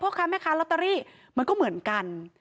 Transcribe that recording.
เพราะค่ะแม้ค่ะลอตเตอรี่มันก็เหมือนกัน